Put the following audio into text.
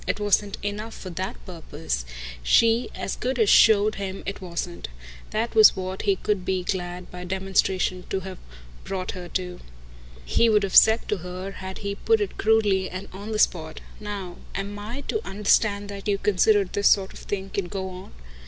It wasn't enough for that purpose she as good as showed him it wasn't. That was what he could be glad, by demonstration, to have brought her to. He would have said to her had he put it crudely and on the spot: "NOW am I to understand you that you consider this sort of thing can go on?"